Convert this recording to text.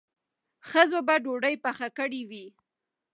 ښځو به ډوډۍ پخ کړې وي.